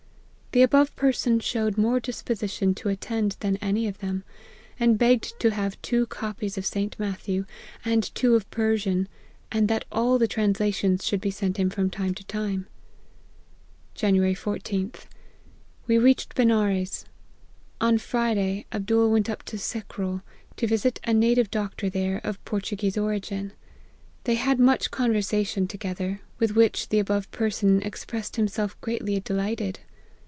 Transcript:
The above person showed more disposition to at tend than any of them ; and begged to have two , copies of St. Matthew, and two of Persian, and that all the translations should be sent him from time to time." " Jan. 14th. We reached Benares. On Friday, Abdool went up to Secrole, to visit a native doctoi there, of Portuguese origin. They had much con versation together, with which the above person expressed himself greatly delighted.